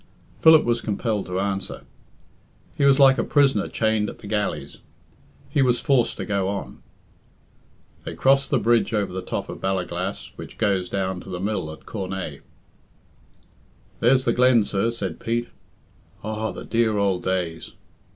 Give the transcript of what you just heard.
Philip was compelled to answer. He was like a prisoner chained at the galleys he was forced to go on. They crossed the bridge over the top of Ballaglass, which goes down to the mill at Cornaa. "There's the glen, sir," said Pete. "Aw, the dear ould days!